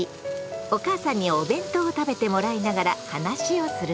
お母さんにお弁当を食べてもらいながら話をすることに。